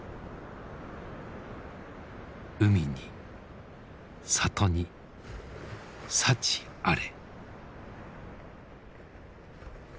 海に里に幸あれ。